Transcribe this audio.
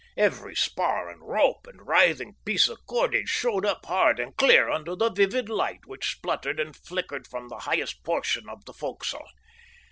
Every spar and rope and writhing piece of cordage showed up hard and clear under the vivid light which spluttered and flickered from the highest portion of the forecastle.